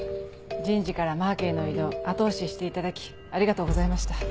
人事からマーケへの異動後押ししていただきありがとうございました。